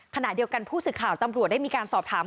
ขณะเดียวกันผู้สื่อข่าวตำรวจได้มีการสอบถาม